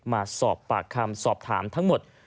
มาสอบปากคำสอบถามทั้งหมด